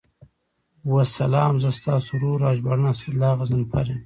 والسلام، زه ستاسو ورور او ژباړن اسدالله غضنفر یم.